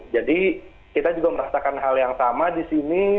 jadi kita juga merasakan hal yang sama di sini